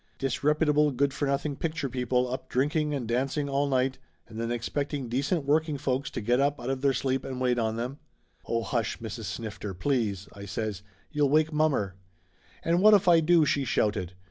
"Disreputable good for nothing picture people up drinking and dancing all night and then expecting de cent working folks to get up out of their sleep and wait on them." "Oh, hush, Mrs. Snifter, please!" I says. "You'll wake mommer!" "And what if I do?" she shouted.